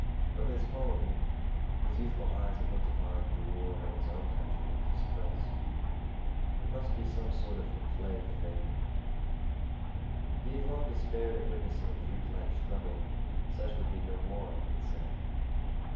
From his home his youthful eyes had looked upon the war in his own country with distrust. It must be some sort of a play affair. He had long despaired of witnessing a Greeklike struggle. Such would be no more, he had said.